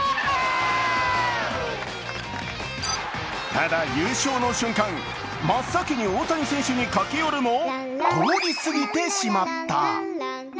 ただ優勝の瞬間、真っ先に大谷選手に駆け寄るも通り過ぎてしまった。